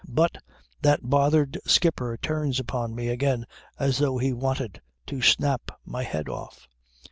But that bothered skipper turns upon me again as though he wanted to snap my head off.